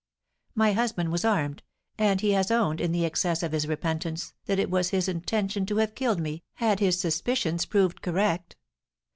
My husband was armed; and he has owned, in the excess of his repentance, that it was his intention to have killed me, had his suspicions proved correct."